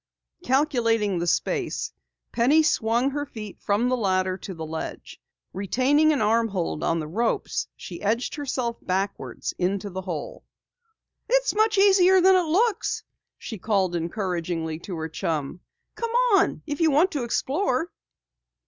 Calculating the space, Penny swung her feet from the ladder to the ledge. Retaining an arm hold on the ropes, she edged herself backwards into the hole. "It's much easier than it looks," she called encouragingly to her chum. "Come on, if you want to explore."